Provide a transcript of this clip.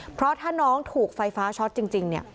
เพราะถ้าน้องถูกไฟฟ้าช็อตจริง